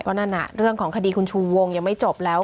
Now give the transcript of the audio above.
ก็นั่นน่ะเรื่องของคดีคุณชูวงยังไม่จบแล้ว